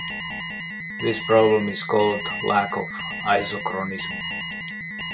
This problem is called lack of isochronism.